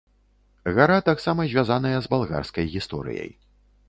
Гара таксама звязаная з балгарскай гісторыяй.